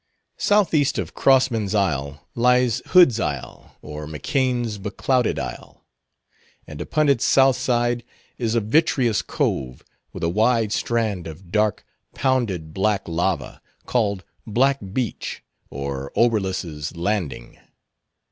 Southeast of Crossman's Isle lies Hood's Isle, or McCain's Beclouded Isle; and upon its south side is a vitreous cove with a wide strand of dark pounded black lava, called Black Beach, or Oberlus's Landing.